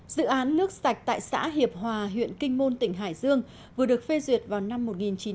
dự án nước sạch tại xã hiệp hòa huyện kinh môn tỉnh hải dương vừa được phê duyệt vào năm một nghìn chín trăm bảy mươi